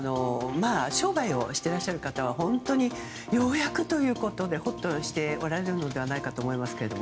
商売をしていらっしゃる方は本当に、ようやくということでほっとしておられるのではないかと思いますが。